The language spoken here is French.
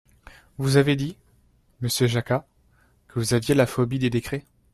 Vous avez dit, monsieur Jacquat, que vous aviez la phobie des décrets.